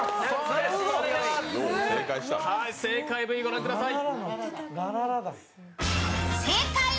正解Ｖ、ご覧ください。